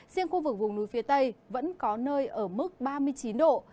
riêng khu vực vùng núi phía tây vẫn có nơi ở mức ba mươi chín độ